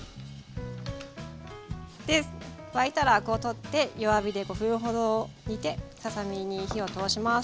で沸いたらアクを取って弱火で５分ほど煮てささ身に火を通します。